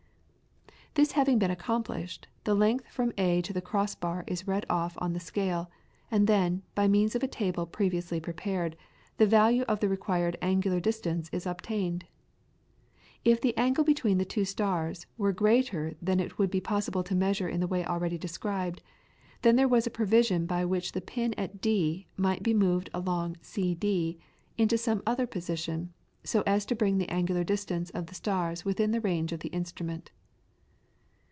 This having been accomplished, the length from A to the cross bar is read off on the scale, and then, by means of a table previously prepared, the value of the required angular distance is obtained. If the angle between the two stars were greater than it would be possible to measure in the way already described, then there was a provision by which the pin at D might be moved along CD into some other position, so as to bring the angular distance of the stars within the range of the instrument. [PLATE: TYCHO'S "NEW STAR" SEXTANT OF 1572. (The arms, of walnut wood, are about 5 1/2 ft.